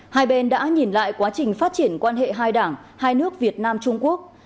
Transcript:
hai bên đã nhìn lại quá trình phát triển quan hệ hai đảng hai nước việt nam trung quốc